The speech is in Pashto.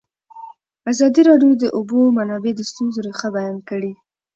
ازادي راډیو د د اوبو منابع د ستونزو رېښه بیان کړې.